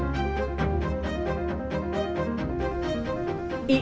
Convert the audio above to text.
ia memiliki kekuatan yang sangat menarik dan memiliki kekuatan yang sangat menarik